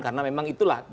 karena memang itulah